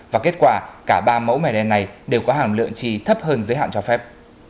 và kết quả cả ba mẫu mẻ đen này đều có hàm lượng trì thấp hơn giới hạn cho phép